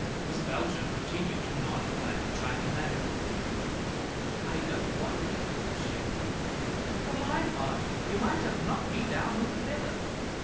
Miss Belcher continued to nod like a china mandarin. "I don't wonder," she agreed. "For my part, you might have knocked me down with a feather.